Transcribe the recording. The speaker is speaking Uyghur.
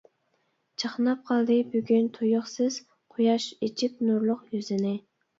چاقناپ قالدى بۈگۈن تۇيۇقسىز، قۇياش ئېچىپ نۇرلۇق يۈزىنى.